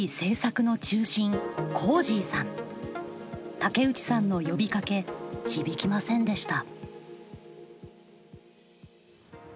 竹内さんの呼びかけ響きませんでした。